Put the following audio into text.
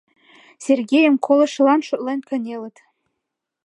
Сергейым колышылан шотлен кынелыт.